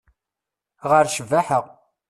Ɣer ccbaḥa.